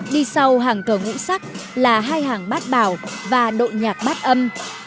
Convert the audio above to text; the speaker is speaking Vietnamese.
đi sau hàng cờ ngũ sắc là hai hàng bát bào và đội nhạc bát âm